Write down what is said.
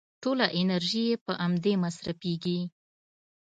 ټوله انرژي يې په امدې مصرفېږي.